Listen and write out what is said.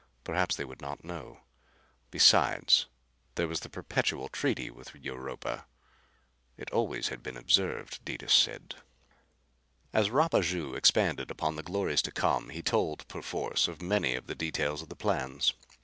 Perhaps they would not know. Besides, there was the perpetual treaty with Europa. It always had been observed, Detis said. As Rapaju expanded upon the glories to come he told perforce of many of the details of the plans.